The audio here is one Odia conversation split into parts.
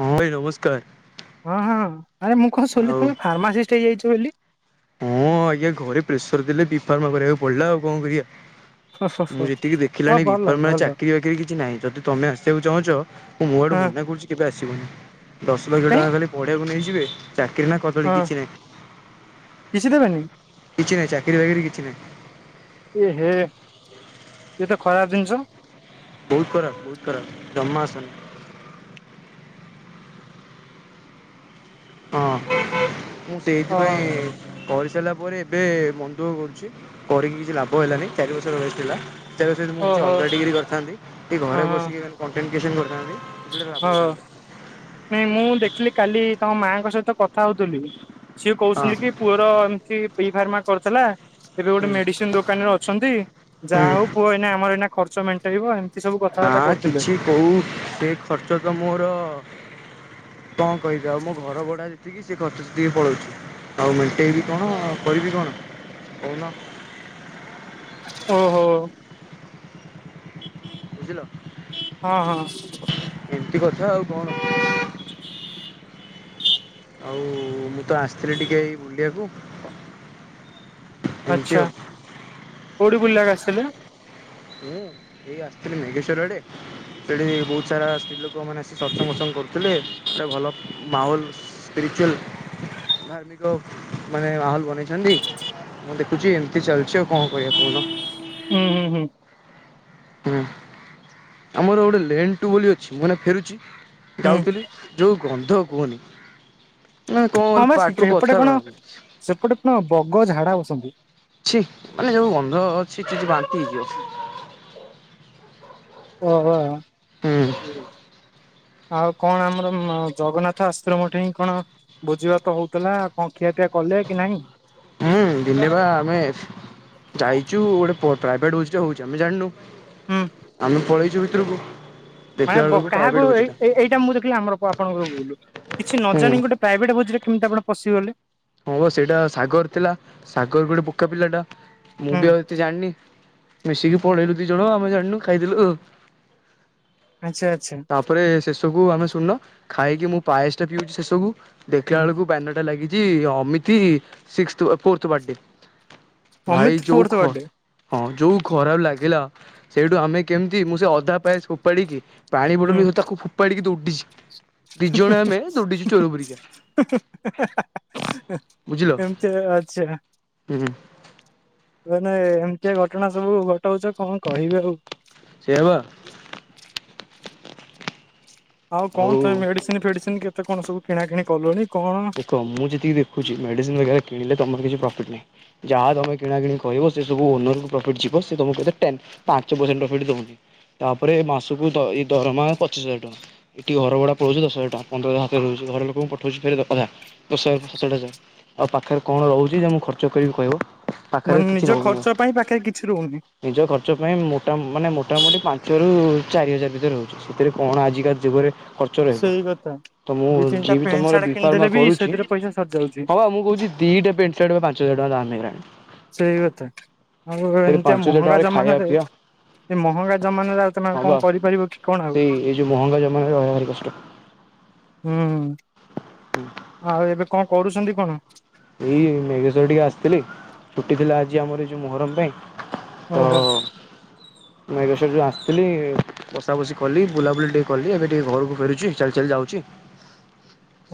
ଭାଇ ନମସ୍କାର। ହଁ ହଁ ଆରେ ମୁଁ କହୁ ଶୁିଲି ଆଉ ତୁମେ ଫାର୍ମାସିଷ୍ଟ ହେଇଯାଇଛ ବୋଲି। ହଁ ଆଜ୍ଞା ଘରେ ପ୍ରେସର ଦେଲେ ବି ଫାରମା କରିବାକୁ ପଡିଲା ଆଉ କଣ କରିବା। ହ ହ ମୁଁ ଯେତିକି ଦେଖିଲାଣି ଚାକିରି ବାକିରି କିଛି ନାହିଁ ଯଦି ତମେ ଆସିବାକୁ ଚାହୁଁଛ ମୁଁ ମୁଁ ଆଡୁ ହଁ ମନା କରୁଛି କେବେ ଆସ ସିବନି ଦଶ ଲକ୍ଷ ଟଙ୍କା କାଇଁ ଖାଲି ପଢିବାକୁ ନେଇଯିବେ ଚାକିରି ନା କଦଳି ହଁ କିଛି ନାହିଁ। କିଛି ଦେବେନି କିଛି ନାହିଁ ଚାକିରିୀ ବାକିରିୀ କିଛି ନାହିଁ। ଏ ହେ ଏ ତ ଖରାପ ଜିନଷ। ବହୁତ ଖରାପ ବହୁତ ଖରାପ ଜମା ଆସନି। ହଁ ମୁଁ ସେଇଥି ଓ ପାଇଁ କ ାରିଲ ପରେ ଏବେ ମନ୍ଦ କରୁଛି କରିକି କିଛି ଲାଭ ହେଲାନ ଚାରି ରଥିଲା ତା ସହିତ ମୁଁ ଓହୋ କିଛି ଅଲଗା ହଁ ଡିଗ୍ରୀ କରିଥାନ୍ତି କିଏ ଘରେ ହଁ ବସିକି ଖା କଣ୍ଟେନିକେସନ୍ କରିଥାନ୍ତି। ସେଟା ଲାଭ ହଁ ହେଇଥାନ୍ତା ନାଇଁ ମୁଁ ଦେଖିଲି କାଲି ତମ ମାଙ୍କ ସହିତ ମତେ କଥା ହଉଥିଲି ସିଏ ହଁ କହୁଛନ୍ତି କି ପୁଅର ଏମିତି ପିଇ ଫାର୍ମା କରୁଥିଲା। ଏବେ ଗୋଟେ ହୁଁ ମେଡିସିନ ଦୋକାନ ରେ ଅଛନ୍ତି ଯାହା ହଉ ହୁଁ ପୁହ ଏନା ଆମର ଏଇ ଖର୍ଚ୍ଚ ମେଣ୍ଟେଇବ। ସବୁ ନା କଥାବାର୍ତ୍ତା କରୁଥିଲେ କିଛି କହୁ ସେ ଖର୍ଚ୍ଚ ତ ମୋର କଣ କହିବି ଆଉ ମୋ ଘର ଭଡା ଯେତିକି ସେ ଖର୍ଚ୍ଚ ସେତିକି ପଳଉଛି ଆଉ ମେଣ୍ଟେଇବି କଣ। ହୋଇ ବି କଣ କହୁନ। ଓହୋଃ। ବୁଝିଲ। ହଁ ହଁ ଏମିତି କଥା। ଆଉ କଣ? ଆଉ ମୁଁ ତ ଆସିଥିଲି ଟିକେ ଏଇ ବୁଲିବାକୁ। ଏମିତି ଆଛା। ଆଉ। କୋଉଠି ବୁଲିବାକୁ କ ଆସିଥିଲେ? ହୁଁ, ଏଇ ଆସିଥିଲି ମେଘେଶ୍ଵର ଆଡେ। ସେଠି ବହୁତ ସାରା। ପୁଅମାନେ ଆସି ସତ୍ସଙ୍ଗ ଫସଙ୍ଗ କରୁଥିଲେ ଗଟେ ଭଲ ମାହୋଲ ସ୍ପିରିଚୁଆଲ୍। ଧାର୍ମିକ ମାନେ, ମାହୋଲ ବନେଇଛନ୍ତି। ମୁଁ ଦେଖୁଛି। ଏମିତି ଚାଲିଛି ଆଉ କଣ କରିବା। ହୁଁ, ହୁଁ, ହୁଁ। ହୁଁ, ଆମର ଗୋଟେ ଲେନ୍ ଟୁ ବୋଲି ଅଛି ମାନେ ଫେରୁଛି। ହୁଁ ଯାଉଥିଲି। ଯୋଉ ଗନ୍ଧ କୁହନି। ହଁ ବା ସେପଟେ କଣ [unintelligible] ସେପଟେ କଣ ବଗ ଝାଡା ବସନ୍ତି ଛିଃ, ମାନେ ଯୋଉ ଗନ୍ଧ। ଛିଃ, ଛିଃ, ଛିଃ ବାନ୍ତି ହେଇଯିବ। ହୁଁ ଓହୋଃ। ଆଉ କଣ? ଆମର ଜଗନ୍ନାଥ ଆଶ୍ରମ ମଠ ହିଁ କଣ। ବୁଝିବା ତ ହଉଥିଲା। କଣ, ଖିଆପିଆ କଲେ କି ନାଇଁ? ହୁଁ, ଦିନେ ବା ଆମେ ଯାଇଛୁ ଗୋଟେ। ପ୍ରାଇଭେଟ ଭୋଜି ଟେ ହୋଉଛି। ଆମେ ଜାଣିନୁ। ହୁଁ ଆମେ ପଳେଇଛୁ ଭିତରକୁ। ଦେଖିଲା ମାନେ ବେଳକୁ କାହାକୁ ପ୍ରାଇଭେଟ ବୁଝିଲା। ଏଇଟା ମୁଁ ଦେଖିଲି, ଆମର ଆପଣଙ୍କୁ କିଛି ନ ହୁଁ। ଜାଣି ଗୋଟେ ପ୍ରାଇଭେଟ ଭୋଜ ରେ କେମିତି? ଆପଣ। ପଶିଗଲେ? ହଁ, ସେଇଟା ସାଗର ଥିଲା। ସାଗର ଗୋଟେ ବୋକା ପିଲା ଟା। ମୁଁ, ହୁଁ ବି ଆଉ ଏତେ ଜାଣନି। ମିଶିକି ପଳେଇଲୁ ଦି ଜଣ। ଆମେ ଜାଣିନୁ ଖାଇଦେଲୁ। ଆଚ୍ଛା ଆଚ୍ଛା ତାପରେ ଶେଷକୁୁ ଆମେ ଶୁଣିଲ ଖାଇକି ମୁଁ ପାଏସ ଟା ପିଉଛି ଶେଷକୁ। ଦେଖିଲା ହୁଁ ବେଳକୁ ବ୍ୟାନରଟା ଲାଗିଛି Amit fourth birthday. Amit fourth birthday [unintelligible] ଖରାପ ଲାଗିଲା। ସେଇଠୁ ଆମେ କେମିତି? ମୁଁ ସେ ଅଧା ପାଏସ ଫୋପାଡିକି। ପାଣି ବୋତଲ ହୁଁ ବି ତାକୁ ଫୋପାଡିକି ଦୋଉଡିିଛି। [unintelligible] ବୁଝିଲ ଏମିତି ଆଛା। [inaudible] ମାନେ ଏମିତିଆ ଘଟଣା ସବୁ ଘଟାଉଛ। କଣ କହିବି ଆଉ। ସେଇଆବ ଆଉ କଣ? ତମେ ମେଡିସିନ, ଫେଡିସିନ କେତେ କଣ? ସବୁ କିଣା କିିଣି କଲଣି? କଣ ଦେଖ ମୁଁ, ଯେତିକି ଦେଖୁଛି। ମେଡିସିନ କିଣିଲେ ତମର କିଛି ପ୍ରଫିଟ ନାହିଁ। ଯାହା ତମେ କିଣା କିଣି କରିବ। ସେ ସବୁ ଓନରକୁୁ ପ୍ରଫିଟ୍ ଯିବ। ସେ ତମକୁ କେତେ ଟେନ୍। ପାଞ୍ଚ ପରସେଣ୍ଟ ପ୍ରଫିଟ୍ ଦଉନି। ତାପରେ, ମାସକୁ ଏଇ ଦରମା ପଚିଶ ହଜାର ଟଙ୍କା। ଏଠି ଘରଭଡ଼ା ପଳଉଛି ଦଶ ହଜାର ଟଙ୍କା। ପନ୍ଦର ହଜାର ହାତ ରହୁଛି। ଘର ଲୋକଙ୍କୁ ପଠଉଛି। ଆଉ ପାଖରେ କଣ ରହୁଛି? ଯାହା ମୁଁ ଖର୍ଚ୍ଚ କରିକି କହିବ। ପାଖରେ ମାନେ କିଛି ନିଜ ରହୁନି ଆଉ। ଖର୍ଚ୍ଚ ପାଇଁ ପାଖରେ କିଛି ରହୁନି। ନିଜ ଖର୍ଚ୍ଚ ପାଇଁ, ମୋଟା ମାନେ ମୋଟାମୋଟି ପାଞ୍ଚ ରୁ। ଚାରି ହଜାର ଭିତରେ ରହୁଛି। ସେଥିରେ କଣ ଆଜିକାଲି ଯୁଗରେ। ଖର୍ଚ୍ଚ ରହିବ। ସେଇ କଥା ତ, ମୁଁ ଦି ତିନିଟା ଯିଏ ବି ପେଣ୍ଟ ତମର। ସାର୍ଟ କିଣିଦେଲେ ବି କରୁଛି। ସେଥିରେ ପଇସା ସରିଯାଉଛି ହଁ, ବା ମୁଁ, କହୁଛି ଦିଟା ପ୍ୟାଣ୍ଟ, ସାର୍ଟ ବା ପାଞ୍ଚ ହଜାର ଟଙ୍କା ହେଲାଣି। ସେଇ କଥା। ଆଉ ଏତେ ପାଞ୍ଚ ହଜାର ମହଙ୍ଗା ଟଙ୍କାରେ ଖାଇବା ଜମାନାରେ। ପିଇବା ଏ ମହଙ୍ଗା ଜମାନ ରେ ଆଉ ତମେ ହଁ ବା କଣ କରିପାରିବ କି? କଣ ଆଉ? ସେଇ [unintelligible] [inaudible] ଆଉ ଏବେକଣ କରୁଛନ୍ତି କଣ ଏଇ ମେଘେଶ୍ଵର ଟିକେ ଆସିଥିଲି ଛୁଟିଥିଲା ଆଜି ଆମର ଏଇ ଯୋଉ ମହରମ ପାଇଁ ତ ଓହୋ ମେଘେଶ୍ଵର ଯୋଉ ଆସିଥିଲି ବଷା ବଷି କଲି ବୁଲାବୁଲି ଟିକେ କଲି ଏବେ ଟିକେ ଘରକୁ ଫେରୁଛି ଚାଲି ଚାଲି ଯାଉଛି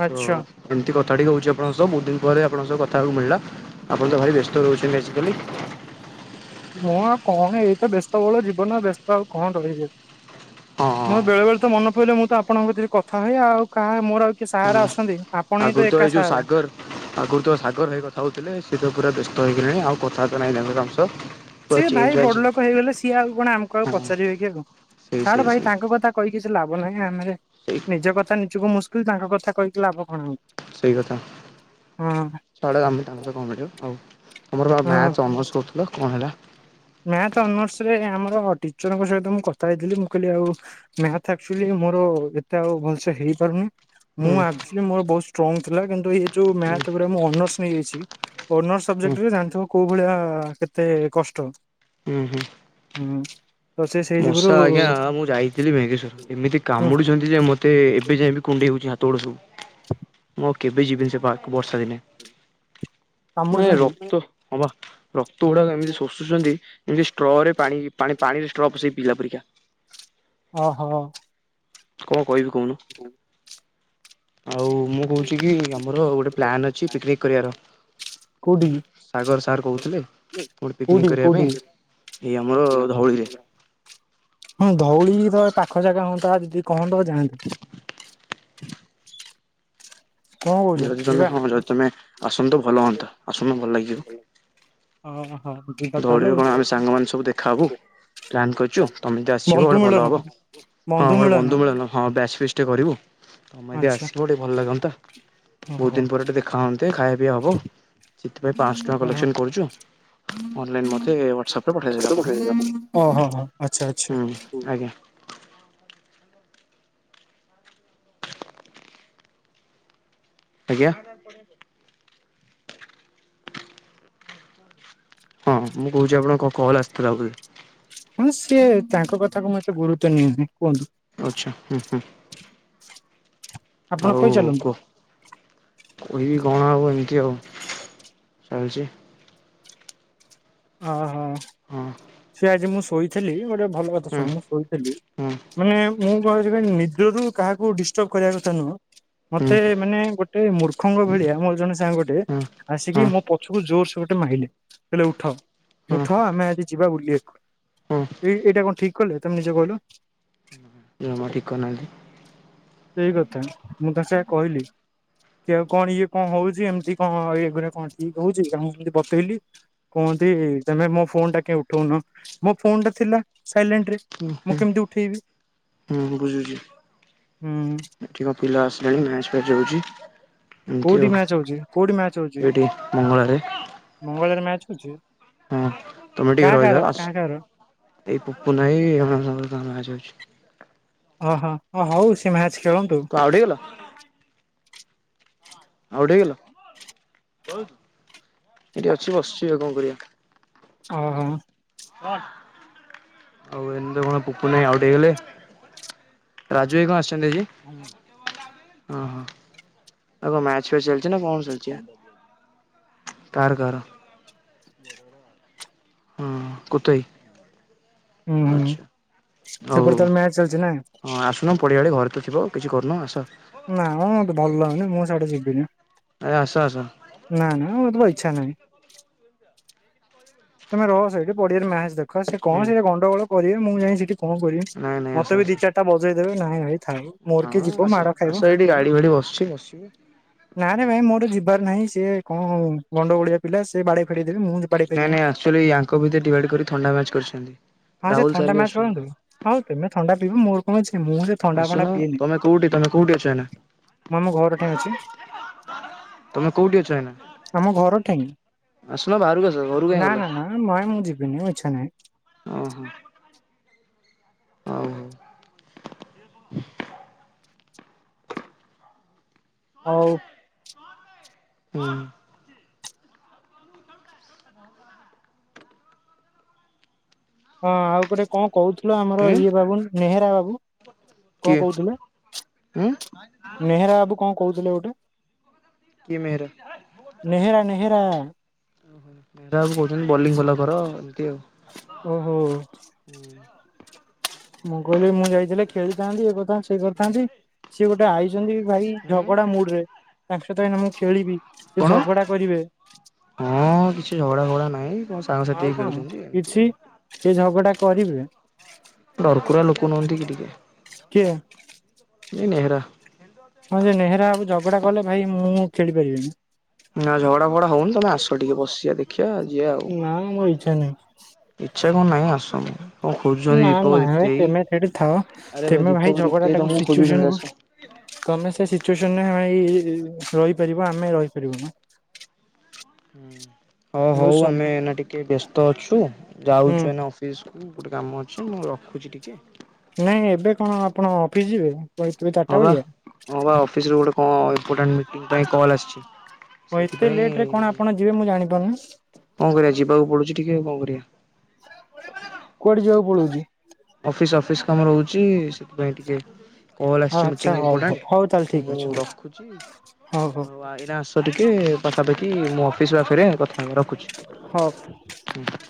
ତ ଆଚ୍ଛା ଏମତି କଥାଟିକେ ହଉଛି ଆପଣଙ୍କ ସହ ବହୁତ ଦିନ ପରେ ଆପଣଙ୍କ ସହ କଥା ହେବାକୁ ମିଳିଲା ଆପଣତ ଭାରି ବ୍ୟସ୍ତ ରହୁଛନ୍ତି ଆଜିକାଲି ମୁଁ ଆଉ କଣ ଏଇତ ବ୍ୟସ୍ତବହୁଳ ଜୀବନ ବ୍ୟସ୍ତ ଆଉ କଣ ରହିବି ହଁ ମୋର ବେଳେ ବେଳେତ ମନେ ପଇଲେ ମୁଁ ତ ଆପଣଙ୍କ ଭିତରେ କଥା ହୁଏ ଆଉ କାହା ମୋର ଆଉ କିଏ ସାହାରା ହୁଁ ଅଛନ୍ତି ଆପଣ ହିଁ ତ ଆଗରୁତ ଏକା ଏଇ ଯୋଉ ସାହାରା। ସାଗର ଆଗରୁତ ସାଗର ଭାଇ କଥା ହଉଥିଲେ ସେତ ପୁରା ବ୍ୟସ୍ତ ହେଇଗଲେଣି ଆଉ କଥାବାର୍ତ୍ତା ନାହିଁ ତାଙ୍କ ସ ସିଏ ଭାଇ ବଡଲୋକ ହେଇଗଲେ ସିଏ ଆଉ କଣ ଆମକୁ ଆଉ ହଁ ପଚାରିବେ କି ଆଉ ସେଇ ଛାଡ ସେଇ ଭାଇ ସେଇ ତାଙ୍କ କଥା କହିକି କିଛି ଲାଭ ନାହିଁ ଆମ ସେଇ ନିଜ କଥା ନିଜକୁ ମୁସ- ତୁ ତାଙ୍କ କଥା କହିକି ଲାଭ କଣ ସେଇକଥା ହଁ ଛାଡ ଆମେ ତାଙ୍କକଥା କଣ ମିଳିବ ଆଉ ତମରବା ହଁ ମ୍ୟାଥ ଅନର୍ସ କରୁଥିଲ କଣ ହେଲା ମ୍ୟାଥ ଅନର୍ସରେ ଆମର ଟିଚରଙ୍କ ସହିତ ମୁଁ କଥା ହେଇଥିଲି ମୁଁ କହିଲି ଆଉ ମ୍ୟାଥ ଆକଚୁଲୀ ମୋର ଏତେ ଆଉ ଭଲସେ ହେଇପାରୁନି ହୁଁ ମୁଁ ଆକ୍ଚୁଲି ମୋର ବହୁତ ଷ୍ଟ୍ରଙ୍ଗ ଥିଲା କିନ୍ତୁ ଏଯୋଉ ହୁଁ ମ୍ୟାଥ ପରେ ମୁଁ ଅନର୍ସ ନେଇଯାଇଛି। ଅନର୍ସ ହୁଁ ସବଜେକ୍ଟରେ ଜାଣିଥିବ କୋଉଭଳିଆ କେତେ କଷ୍ଟ ଉଁ ହୁଁ ହୁଁ ତ ସେ ସେଇ ଯୁଗୁରୁ ମଶା ଆଜ୍ଞା ମୁଁ ଯାଇଥିଲି ଭେଙ୍ଗେସ୍ଵର ଏମିତି ହୁଁ କାମୁଡିଛନ୍ତି ଯେ ମତେ ଏବେ ଯାଏବିି କୁଣ୍ଡେଇ ହଉଛି ହାତ ଗୋଡ ସବୁ ମୁଁ [inaudible] କେବେ ଯିବିନି ସେଇ ପାର୍କ ବର୍ଷା ଦିନେ ମା ଏ କାମୁଡୁଛନ୍ତି ରକ୍ତ ଅବା ରକ୍ତ ଗୁଡାକ ଏମିତି ଶୋସୁଛନ୍ତି ଯେମିତି ଷ୍ଟ୍ରରେ ପାଣି ପାଣି ପାଣିରେ ସେ ପିଲାପରିକା ଓ ହୋ କଣ କହିବି କହୁନୁ? ଆଉ ମୁଁ କହୁଛିକି ଆମର ଗୋଟେ ପ୍ଲାନ ଅଛି ପିକିନିକି କରିବାର କୋଉଠି ସାଗର ସାର୍ କହୁଥିଲେ କୋଉଠି ପିକିନିକ କରିବା ପାଇଁ ଏଇ ଆମର ଧଉଳିରେ ହଁ ଧଉଳିତ ପାଖ ଜାଗା ହୁଅନ୍ତା, ଯଦି କହନ୍ତ ଯାଆନ୍ତି କଣ କହୁଛ ଯଦି ତମେ ଯିବା? ହଁ ଯଦି ତମେ ଆସନ୍ତୁ, ଭଲ ହୁଅନ୍ତା, ଆସୁନୁ ଭଲ ଲାଗିବ ଓହୋ ଯିବା ତାହେଲେ ଡରିବୁ ଆଉ। କଣ ଆମେ ସାଙ୍ଗମାନେ ସବୁ ଦେଖାହବୁ ପ୍ଲାନ କରିୁଛୁ ତମେ ଯଦି ଆସିିବ ବନ୍ଧୁ ଗୋଟେ ଭଲ ମିଳନ ହବ ହଁ ମୋର ବନ୍ଧୁ ମିଳନ ହଁ ବ୍ୟାଚ ଫିଟ ଟିକେ କରିବୁ ତମେଯଦି ଆଚ୍ଛା ଆସିବ ଟିକେ ଭଲ ଲାଗନ୍ତା ବହୁତ ଓହୋ ଦିନ ପରେେ ଦେଖା ହୁନ୍ତେ ଖାଇବା ପିଇବା ହବ ସେଥିପାଇଁ ପାଅଂଶ ଟଙ୍କା କଲେକ୍ସନ କରୁଛୁ ଅନଲାଇନ ମତେ ୱାଟସପରେ ପଠେଇଦେବେ ଆପଣ ହୋ। ଆଚ୍ଛା ଆଚ୍ଛା ହୁଁ ଆଜ୍ଞା ଆଜ୍ଞା ହଁ ମୁଁ କହୁଛି ଆପଣଙ୍କ କଲ ଆସିଥିଲା ବୋଲି ହଁ ସିଏ ତାଙ୍କ କଥା କୁ ଏତେ ଗୁରୁତ୍ୱ ନିଏନି କୁହନ୍ତୁ ଆଚ୍ଛା ହୁଁ ହୁଁ ଆପଣ ଆଉ କହି ଚାଲନ୍ତୁ କୁହ କହିବି କଣ ଆଉ ଏମତିି ଆଉ ଚାଲିଛି ହଁ ହଁ ହଁ ସେ ଆଜି ମୁଁ ଶୋଇଥିଲି ଗୋଟେ ଭଲ କଥା ଶୁଣ ହୁଁ ମୁଁ ଶୋଇଥିଲି ହୁଁ ମାନେ ମୁଁ କଣକି ନିଦରୁ କାହାକୁ ଡିଷ୍ଟର୍ବ କରିବାକଥା ନୁହଁ। ହୁଁ ମତେ ମାନେ ଗୋଟେ ମୂର୍ଖଙ୍କ ଭଳିଆ ମୋର ଜଣେ ସାଙ୍ଗ ଟେ ହୁଁ ଆସିକି ହଁ ମୋ ପଛକୁ ଜୋରସୋର ମାଇଲେ କହିଲେ ଉଠ, ହଁ ଉଠ ଆମେ ଆଜି ଯିବା ବୁଲିବାକୁ ହଁ ଏ ଏଇଟା କଣ ଠିକ କଲେ? ତମେ ନିଜେ କହିଲ ଜମା ଠିକ କରିନାହାନ୍ତି ସେଇ କଥା ମୁଁ ତାଙ୍କେ କହିଲି କି ଆଉ କଣ ଇଏ କଣ ହଉଛି? ଏମିତି କଣ ଏଗୁରା କଣ ଠିକ ହଉଛି, ମୁଁ ଏମିତି ବତେଇଲି କଣ ତମେ ମୋ ଫୋନ ଟା କେ ଉଠଉନ ମୋ ଫୋନ ଟା ଥିଲା- ଥାଇଲାଣ୍ଡରେ, ହୁଁ ମୁଁ କେମିତି ଉଠେଇବି? ହୁଁ ଏଠିକା ପିଲା ଆସିଲାଣି ମ୍ୟାଚ ଫ୍ୟାଚ ହଉଛି। ଏମିତି କୋଉଠି ଆଉ ମ୍ୟାଚ ହଉଛି? କୋଉଠି ମ୍ୟାଚ ହଉଛି? ଏଇଠି ମଙ୍ଗଳାରେ ମଙ୍ଗଳବାରେ ମ୍ୟାଚ ହଉଛି? ହୁଁ ତମେ ଟିକେ କାହା କାହାର ରହିଯାଅ ଆ କାହା କାହାର ଏଇ ପପୁ ନାହିଁ ଆମ ଗାଁ ରେ ଅଛି। ଓହୋ ହ ହଉ ସେ ମ୍ୟାଚ ଖେଳନ୍ତୁ ତୁ ଆଉଟ ହେଇଗଲ? [unintelligible] ହେଇଗଲ ଏଠି ଅଛି ବସଛି କଣ କରିବା? ହଁ ହଁ। ଆଉ ଏମିତି କଣ ପୁପୁନ ଭାଇ ଆଉଟ ହେଇଗଲେ। ରାଜୁ ଭାଇ କଣ ଆସିଛନ୍ତି ଆଜି? ଓହୋ ଆଉ କଣ ମ୍ୟାଚ ଫ୍ୟାଚ ଚାଲିଛି, ନା କଣ ଚାଲିଛି? କାର କାର ହଁ କୁତଇ। ହୁଁ ହୁଁ ଆଛା ଆଉ ସେପଟେ ତାହେଲେ ମ୍ୟାଚ ଚାଲିଛି ନା ହଁ ଆସୁନ ପଡିଆଡେ ଘରେ ତ ଥିବ କିଛି କରୁନାହଁ ଆସ। ନାଁ ମ ମତେ ଭଲ ଲାଗୁନି, ମୁଁ ସାଡେ ଯିବିନି। ଏ ଆସ ଆସ। ନା ନା ମତେ ବା ଇଚ୍ଛା ନାହିଁ ତମେ ରହ ସେଏଇଠି ପଡ଼ିଆରେ ମ୍ୟାଚ ଦେଖ ସେ କଣ ହୁଁ ସେ ଗଣ୍ଡଗୋଳ କରିବେ ମୁଁ ଯାଇ ସେଠି କଣ କରିବି ନାଇଁ ନାଇଁ ଆସ ମତେ ବି ଆସ ଦି ଚାରିଟା ବଜେଇ ଦେବେ ନାଇଁ ଭାଇ ଥାଉ ମୋର କିଏ ଯିବ ମାଡ ଖାଇବ। ମୁଁ ଗାଡ଼ି ବି ଏଇଠି ବସିଛି। ବସିବେ ନାରେ ଭାଇ ମୋର ଯିବାର ନାହିଁ। ସିଏ କଣ ଗଣ୍ଡ ଗୋଳଆ ପିଲା ସେ ବାଡେଇ ଫାଡେଇ ଦେବେ ମୁଁ ବାଡେଇ ନାଇଁ ଫେରିବିନି। ନାଇଁ ୟାଙ୍କ ଭିତରେ ଡିଭାଇଡ କରି ଥାଣ୍ଡା ମ୍ୟାଚ କରିଛନ୍ତି। ହଁ ସେ ରାହୁଲ ସାର୍ ଥଣ୍ଡା ବି ମ୍ୟାଚ ଆସୁଛନ୍ତି ଖେଳନ୍ତୁ, ଆଉ ତମେ ଥଣ୍ଡା ପିବ ମୋର କଣ ଅଛି। ମୁଁ ସେ ଥଣ୍ଡା ଫଣ୍ଡା ଆସୁନ ପିଏନି ତମେ କୋଉଠି ତମେ କୋଉଠି ଅଛ ଏଇନା? ମୁଁ ଆମ ଘର ଠେଇଁ ଅଛି। ତମେ କୋଉଠି ଅଛ ଏନା? ଆମ ଘର ଠେଇଁ ଆସୁନ ବାହାରକୁ ଆସ ଘରୁ ନା ନା ନା ମୁଁ ମୁଁ ଯିବିନି ଇଛା ନାହିଁ। ଓହୋ ହଉ ହଉ। ହଉ। ହୁଁ। ହଁ ଆଉ ଗୋଟେ କଣ? କହୁଥିଲ ଆମର ଉଁ ଇଏ ବାବୁ ନେହେରା ବାବୁ କଣ କିଏ କହୁଥିଲେ? ଉଁ ନେହେରା ବାବୁ କଣ କହୁଥିଲେ ଗୋ କିଏ ମେହେରା ନେହେରା ନେହେରା। ଓହ ବେହେରାବୁ କହୁଛନ୍ତି ବୋଲିଂ ଭଲ କର ଏମିତି ଆଉ। ଓହୋ। ହୁଁ ମୁଁ କହିଲି ମୁଁ ଯାଇଥିଲେ ଖେଳିଥାନ୍ତି ଇଏ କରିଥାନ୍ତି ସେ ହୁଁ କରିଥାନ୍ତି ସିଏ ଗୋଟେ ଆଇ ଛନ୍ତି ଭାଇ ହୁଁ ଝଗଡା ମୁଡରେ ତାଙ୍କ ସହିତ ମୁଁ ଏଇନା ଖେଳିବି। ସେ କଣ ଝଗଡ଼ା କରିବେ। ହଁ କିଛି ଝଗଡା ଫଗଡା ନାହିଁ କଣ ସାଙ୍ଗସାଥି ଆଉ ହେଇ କଣ ଖେଳୁଛନ୍ତି ଏମିତି କିଛି ଆଉ। ସେ ଝଗଡା କରିବେ। ଡରକୁରା ଲୋକ ନୁହଁନ୍ତି କି ଟିକେ କିଏ? [inaudible] ନେହେରା ହଁ ଯେ ନେହେରା ଆକୁ ଝଗଡା କଲେ ଭାଇ ମୁଁ ଖେଳି ପାରିବିନି ନା ଝଗଡା ଫଗଡା ହଉନି ତମେ ଆସ ଟିକେ ବସଯିବା ଦେଖି ଛା ଯିିବା ନା ମୋର ଇଚ୍ଛା ନାହିଁ ଆଉ ଇଛା କଣ ନାହିଁ ଆସ। କଣ ଖୋଜୁଛନ୍ତି ନା ଦୀପକ ନାଇ ଦୀପ୍ତି ଭାଇ ତମେ ସେଠି ଥାଅ ଆରେ ତମେ ଦୀପକ ଭାଇ ଦୀପ୍ତି ଝଗଡା ଟାକୁ ତମକୁ ଖୋଜୁଛନ୍ତି ସିଚୁସନ ଆସ। କ ତମେ ସେ ସିଚୁଏସନରେ ଭାଇ ରହିପାରିବ ଆମେ ରହିପାରିବୁ ନାହିଁ। ହୁଁ। ହଁ ହଉ ଆମେ ଏନା ଟିକେ ବ୍ୟସ୍ତ ଅଛୁ, ହୁଁ ଯାଉଛୁ ଏନା ଅଫିସ କୁ ଗୋଟେ କାମ ଅଛି ମୁଁ ରଖୁଛି ଟିକେ। ନାଇଁ ଏବେ କଣ ଆପଣ ଅଫିସ ଯିବେ? ହଁ ଚାରିଟା ବା ବେଳିଆ? ହଁ ବା ଅଫିସରୁ ଗୋଟେ କଣ ଇମ୍ପୋଟାଣ୍ଟ ମିଟିଂ ପାଇଁ କଲ ଆସିଚି। ହଉ ଏତେ ଲେଟ ରେ କଣ ଆପଣ ଯିବେ ମୁଁ ଜାଣିପାରୁନି? କଣ କରିବା ଯିବାକୁ ପଡୁଚି ଟିକେ କଣ କରିବା। କୁଆଡେ ଯିବାକୁ ପଳଉଚି? ଅଫିସ ଅଫିସ କାମ ରହୁଚି ସେଥିପାଇଁ ଟିକେ କଲ୍ ହଁ ଆସିଚି ଆଚ୍ଛା ମିଟିଂ ହଉ ହଉ ଇମ୍ପୋର୍ଟାଣ୍ଟ ହଉ ତାହେଲେ ତ ଠିକ ମୁଁ ଅଛି ହଉ ରଖୁଚି। ହଉ ହଉ ଆଉଇନା ଆସ ଟିକେ ପାଖାପାଖି ମୁଁ ଅଫିସ ବା ଫରେ କଥା ହେବା ରଖୁଚି। ହଉ। ହୁଁ।